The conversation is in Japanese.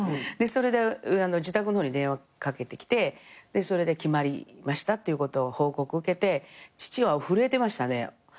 それで自宅の方に電話かけてきてそれで決まりましたっていうことを報告受けて父は震えてましたね。